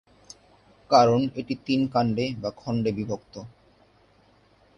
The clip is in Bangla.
কারণ এটি তিন কান্ডে বা খন্ডে বিভক্ত।